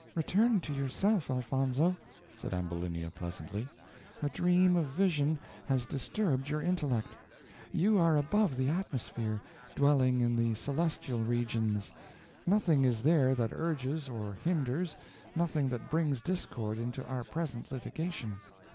"Return to yourself, Elfonzo," said Ambulinia, pleasantly: "a dream of vision has disturbed your intellect; you are above the atmosphere, dwelling in the celestial regions; nothing is there that urges or hinders, nothing that brings discord into our present litigation.